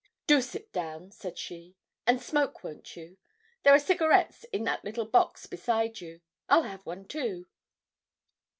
"Do sit down," said she. "And smoke, won't you? There are cigarettes in that little box beside you. I'll have one too."